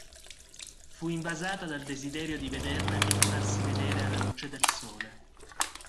Fu invasato dal desiderio di vederla e di farsi vedere alla luce del sole.